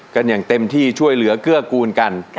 กันอย่างเต็มที่ช่วยเหลือเกื้อกูลกัน